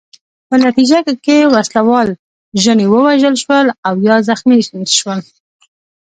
په نتیجه کې وسله وال ژڼي ووژل شول او یا زخمیان شول.